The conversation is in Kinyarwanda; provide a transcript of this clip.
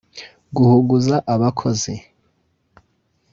guhugura abakozi